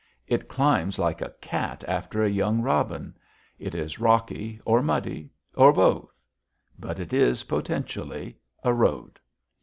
It climbs like a cat after a young robin. It is rocky or muddy or both. But it is, potentially, a road.